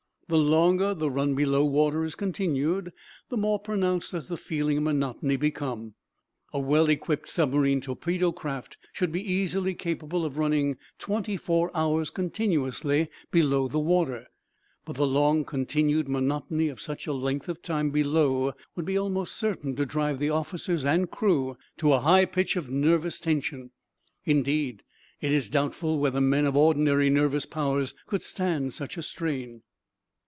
The longer the run below water is continued the more pronounced does the feeling of monotony become. A well equipped submarine torpedo craft should be easily capable of running twenty four hours continuously below the water, but the long continued monotony of such a length of time below would be almost certain to drive the officers and crew to a high pitch of nervous tension. Indeed, it is doubtful whether men of ordinary nervous powers could stand such a strain.